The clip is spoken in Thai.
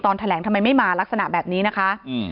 แถลงทำไมไม่มาลักษณะแบบนี้นะคะ